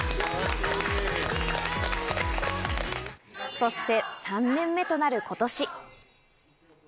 そして３年目となる今年